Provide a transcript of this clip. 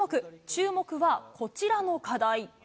注目はこちらの課題。